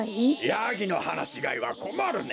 ヤギのはなしがいはこまるね。